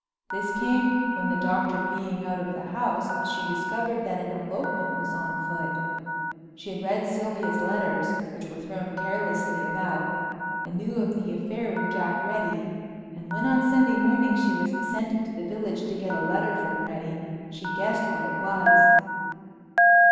This came, when the Doctor, being out of the house, she discovered that an elopement was on foot. She had read Sylvia's letters, which were thrown carelessly about, and knew of the affair with Jack Reddy, and when on Sunday morning she was sent to the village to get a letter from Reddy she guessed what it was.